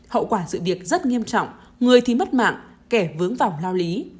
hậu quả sự việc rất nghiêm trọng người thì mất mạng kẻ vướng vòng lao lý